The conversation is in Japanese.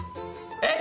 えっ⁉